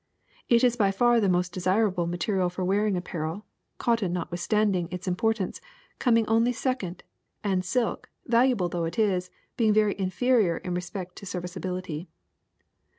It is by far the most desirable material for wearing apparel, cotton, not withstanding its importance, coming only second, and silk, valuable though it is, being very inferior in respect to serviceability.